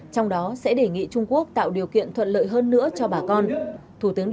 trong đó sẽ đề nghị trung quốc tạo điều kiện thuận lợi hơn nữa cho bà con